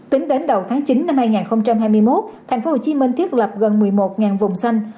tính đến đầu tháng chín năm hai nghìn hai mươi một thành phố hồ chí minh thiết lập gần một mươi một vùng xanh